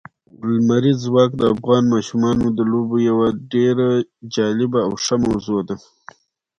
لمریز ځواک د افغان ماشومانو د لوبو یوه ډېره جالبه او ښه موضوع ده.